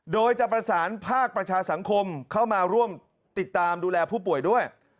โดยจะประสานภาคประชาสังคมเข้ามาร่วมติดตามดูแลผู้ป่วยด้วย